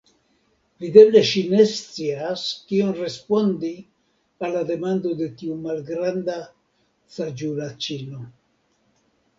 Videble ŝi ne scias, kion respondi al la demando de tiu malgranda saĝulaĉino.